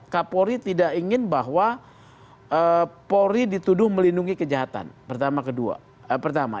kapolri tidak ingin bahwa polri dituduh melindungi kejahatan pertama